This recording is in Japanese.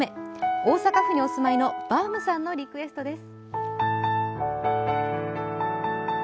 大阪府にお住まいのばーむさんからのリクエストです。